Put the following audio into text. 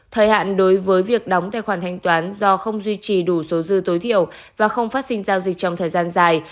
thời hạn đối với việc đóng tài khoản thanh toán do không duy trì đủ số dư tối thiểu và không phát sinh giao dịch trong thời gian dài